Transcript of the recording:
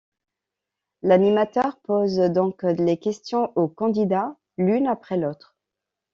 L'animateur pose donc les questions au candidat, l'une après l'autre.